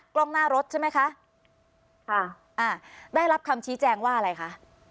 กล้องหน้ารถใช่ไหมคะค่ะอ่าได้รับคำชี้แจงว่าอะไรคะ